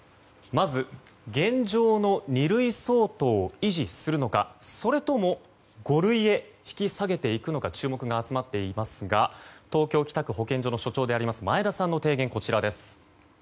まず現状の二類相当を維持するのか五類へ引き下げていくのか注目が集まっていますが東京・北区保健所の所長である前田さんの提言です。